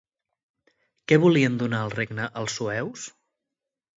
Què volien donar al regne els sueus?